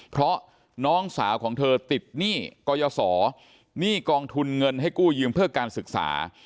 เพราะน้องสาวของเธอติดหนี้กรยศรหนี้กองทุนเงินให้กู้ยืมเพื่อการศึกษา